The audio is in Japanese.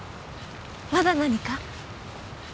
まだ何か？